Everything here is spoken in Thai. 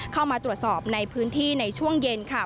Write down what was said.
เข้ามาตรวจสอบในพื้นที่ในช่วงเย็นค่ะ